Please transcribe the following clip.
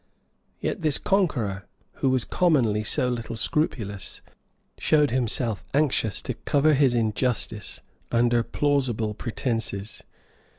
Yet this conqueror, who was commonly so little scrupulous, showed himself anxious to cover his injustice under plausible pretences.